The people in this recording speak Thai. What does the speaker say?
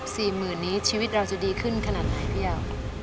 สี่หมื่นนี้ชีวิตเราจะดีขึ้นขนาดไหนพี่ยาว